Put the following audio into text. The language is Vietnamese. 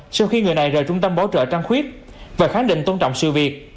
sau khi người này rời trung tâm bảo trợ trang khuyết và khẳng định tôn trọng sự việc